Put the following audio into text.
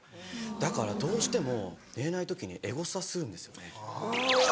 だからどうしても寝れない時にエゴサするんですよね。